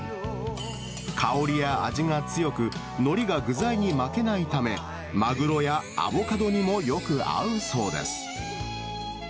香りや味が強く、のりが具材に負けないため、マグロやアボカドにもよく合うそうです。